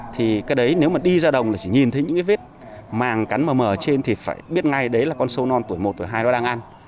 thì cái đấy nếu mà đi ra đồng là chỉ nhìn thấy những cái vết màng cắn mờ trên thì phải biết ngay đấy là con sâu non tuổi một hai nó đang ăn